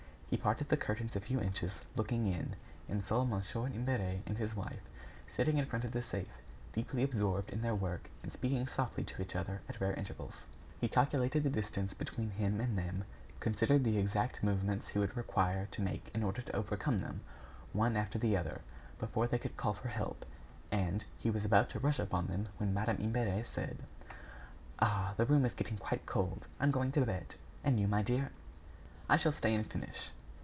He parted the curtains a few inches, looked in, and saw Mon. Imbert and his wife sitting in front of the safe, deeply absorbed in their work and speaking softly to each other at rare intervals. He calculated the distance between him and them, considered the exact movements he would require to make in order to overcome them, one after the other, before they could call for help, and he was about to rush upon them, when Madame Imbert said: "Ah! the room is getting quite cold. I am going to bed. And you, my dear?" "I shall stay and finish."